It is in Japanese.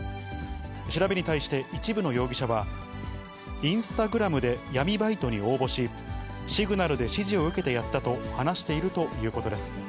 調べに対して一部の容疑者は、インスタグラムで闇バイトに応募し、シグナルで指示を受けてやったと話しているということです。